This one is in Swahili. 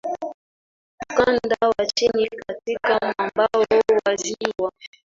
Ukanda wa chini katika mwambao wa ziwa